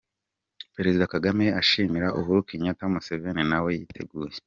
Perezida Kagame ashimira Uhuru Kenyatta, Museveni nawe yiteguye.